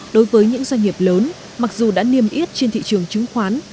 đối với những doanh nghiệp lớn mặc dù đã niêm yết trên thị trường chứng khoán